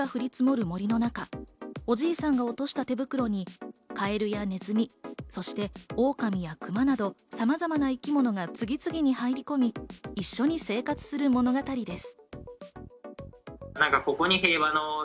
雪が降り積もる森の中、おじいさんが落としたてぶくろに帰りは、ねずみそしてオオカミやクマなどさまざまな生き物が次々に入り込み、一緒に生活する物語です。